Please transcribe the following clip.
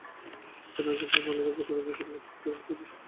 তিনি আর্জেন্টেনীয় মহিলাদের ভোটের অধিকার লাভে প্রতিকূলতার দিক তুলে ধরেন।